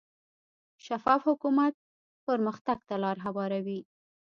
شفاف حکومت پرمختګ ته لار هواروي.